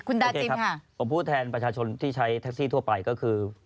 โอเคครับผมพูดแทนประชาชนที่ใช้แท็กซี่ทั่วไปก็คือ